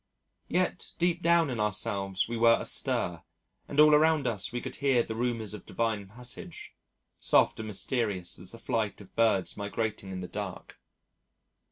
Yet deep down in ourselves we were astir and all around us we could hear the rumours of divine passage, soft and mysterious as the flight of birds migrating in the dark.